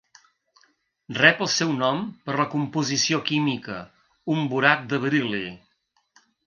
Rep el seu nom per la composició química, un borat de beril·li.